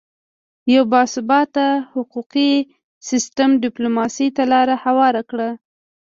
یو باثباته حقوقي سیستم ډیپلوماسي ته لاره هواره کړه